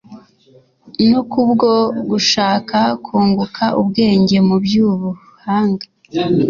no kubwo gushaka kunguka ubwenge mu byubuhanga